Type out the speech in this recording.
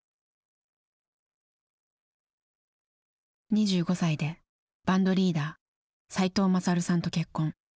２５歳でバンドリーダー齋藤勝さんと結婚。